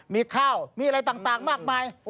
มีข้าวมีอะไรต่างมากมาย